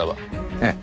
ええ。